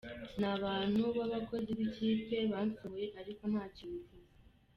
Ni abantu b’abakozi b’ikipe bansohoye ariko ntacyo bivuze.